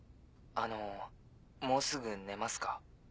あのもうすぐ寝ますか？